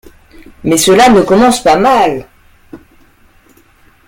Mais cela ne commence pas mal.